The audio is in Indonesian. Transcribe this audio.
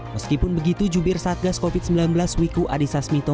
meskipun begitu jubir satgas covid sembilan belas wiku adhisa smito